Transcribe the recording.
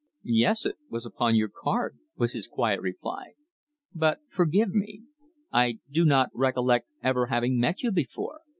"Yes. It was upon your card," was his quiet reply. "But, forgive me, I do not recollect ever having met you before!"